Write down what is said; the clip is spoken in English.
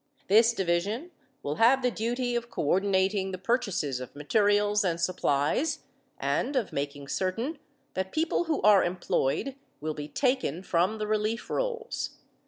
This Division will have the duty of coordinating the purchases of materials and supplies and of making certain that people who are employed will be taken from the relief rolls.